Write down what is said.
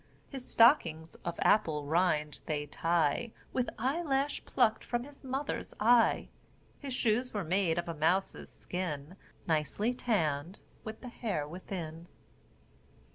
His stockings, of apple rind, they tie With eye lash plucked from his mother's eye, His shoes were made of a mouse's skin, Nicely tanned, with the hair within."